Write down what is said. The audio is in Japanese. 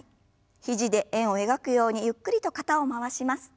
肘で円を描くようにゆっくりと肩を回します。